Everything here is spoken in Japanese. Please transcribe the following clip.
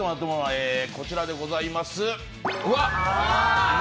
こちらでございます。